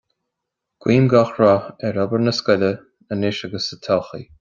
Guím gach rath ar obair na scoile anois agus sa todhchaí.